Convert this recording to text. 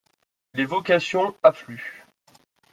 Les vocations affluent.